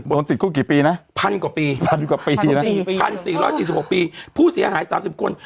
โดนติดคู่กี่ปีนะ๑๐๐๐กกปี๑๔๔๖ปีผู้เสียหาย๓๐คน